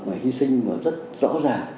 nói hy sinh nó rất rõ ràng